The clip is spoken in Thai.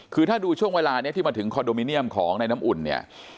คือถ้าดูช่วงเวลานี้ที่มาถึงคอนโดมิเนียมของในน้ำอุ่นเนี่ย